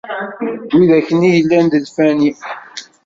Widak-nni yellan d lfani.